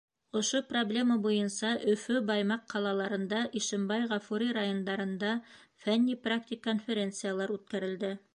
Ошо проблема буйынса Өфө, Баймаҡ ҡалаларында, Ишембай, Ғафури райондарында фәнни-практик конференциялар үткәрелде.